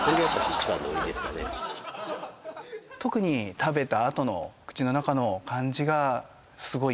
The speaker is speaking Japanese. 特に食べたあとの口の中の感じがすごい